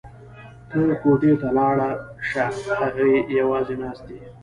ته کوټې ته لاړه شه هغوی یوازې ناست دي